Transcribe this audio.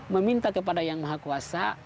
meminta kepada yang maha kuasa